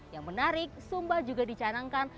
yang menarik sumba juga dicanangkan